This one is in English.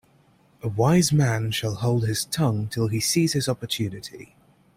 A wise man shall hold his tongue till he sees his opportunity.